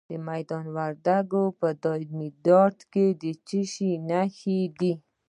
د میدان وردګو په دایمیرداد کې د څه شي نښې دي؟